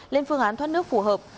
lên phương án thoát nước phù hợp